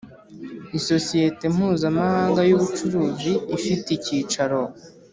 Isosiyete mpuzamahanga y ubucuruzi ifite icyicaro